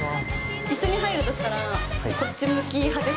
一緒に入るとしたらこっち向き派ですか？